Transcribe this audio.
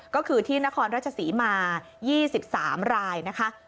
ก็คือที่นครราชศรีมา๒๓รายนะคะ